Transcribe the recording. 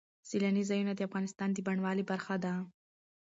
سیلانی ځایونه د افغانستان د بڼوالۍ برخه ده.